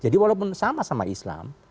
jadi walaupun sama sama islam